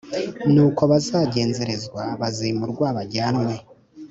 ni ko bazagenzerezwa bazimurwa bajyanwe